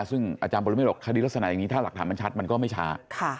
ซึ่งอาจารย์ปรเมฆบอกคดีลักษณะอย่างนี้ถ้าหลักฐานมันชัดมันก็ไม่ช้า